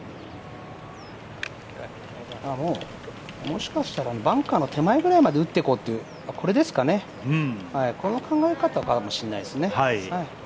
もしかしたらバンカーの手前まで打っていこうというこの考え方かもしれないですね。